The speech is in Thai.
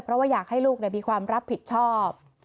เพราะว่าอยากให้ลูกมีความรับผิดชอบ